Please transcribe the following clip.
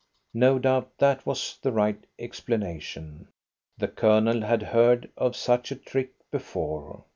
No doubt that was the right explanation. The Colonel had heard of such a trick before.